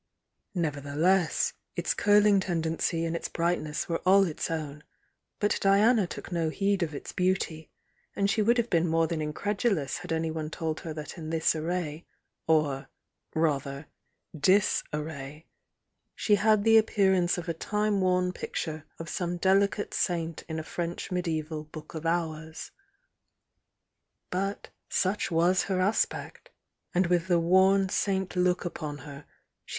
Nevertheless, its curling tendency and its brightness were all its own, but Diana took no heed of its beauty, and she would have been more than incredulous had anyone told her that in this array, or, rather, disarray, she had the appearance of a time worn picture of some delicate saint in a French mediaeval "Book of Hours." But such was her as pect. And with the worn saint look upon her, she •^.